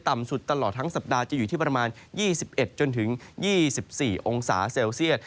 สุดตลอดทั้งสัปดาห์จะอยู่ที่ประมาณ๒๑๒๔องศาเซลเซียต